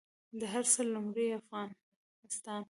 د هر څه لومړۍ افغانستان